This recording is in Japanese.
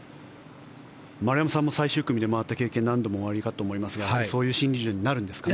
丸山さんも最終組で回った経験が何度もおありですがそういう心理状況になるんですかね。